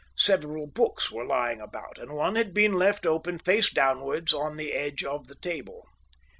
Several books were lying about, and one had been left open face downwards on the edge of a table.